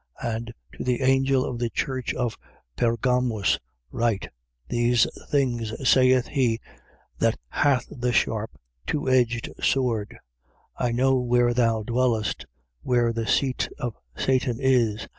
2:12. And to the angel of the church of Pergamus write: These things saith he that hath the sharp two edged sword: 2:13. I know where thou dwellest, where the seat of Satan is.